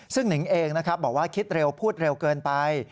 ซึ่งนิ้งเองบอกว่าคิดเร็วพูดเร็วเกินไป